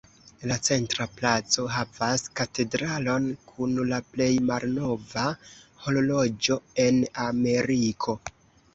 La centra placo havas katedralon kun la plej malnova horloĝo en Ameriko.